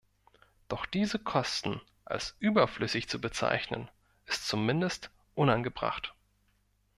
Doch diese Kosten als "überflüssig" zu bezeichnen, ist zumindest unangebracht.